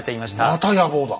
また野望だ。